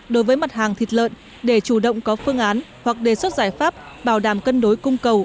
đối với mặt hàng thịt lợn để chủ động có phương án hoặc đề xuất giải pháp bảo đảm cân đối cung cầu